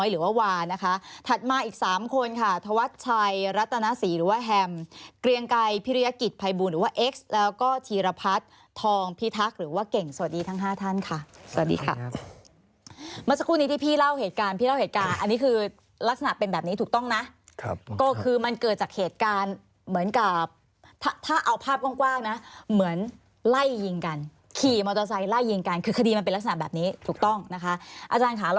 แล้วก็ธีรพัฒน์ทองพีทักหรือว่าเก่งสวัสดีทั้งห้าท่านค่ะสวัสดีค่ะมาสักครู่นี้ที่พี่เล่าเหตุการณ์พี่เล่าเหตุการณ์อันนี้คือลักษณะเป็นแบบนี้ถูกต้องนะครับก็คือมันเกิดจากเหตุการณ์เหมือนกับถ้าเอาภาพกว้างนะเหมือนไล่ยิงกันขี่มอเตอร์ไซค์ไล่ยิงกันคือคดีมันเป็นลัก